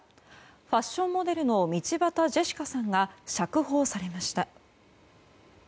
ファッションモデルの道端ジェシカさんが釈放されました。